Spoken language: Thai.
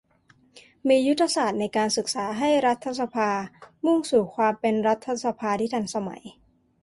มียุทธศาสตร์ในการศึกษาให้รัฐสภามุ่งสู่ความเป็นรัฐสภาที่ทันสมัย